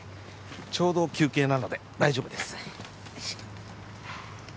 ちょうど休憩なので大丈夫です